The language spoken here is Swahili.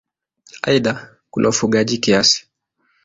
Aidha kuna ufugaji kiasi.